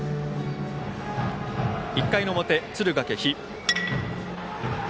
１回の表、敦賀気比。